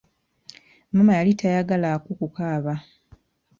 Maama yali tayagala Aku ku kaaba.